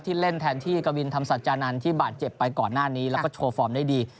เล่นแทนที่กวินธรรมสัจจานันทร์ที่บาดเจ็บไปก่อนหน้านี้แล้วก็โชว์ฟอร์มได้ดี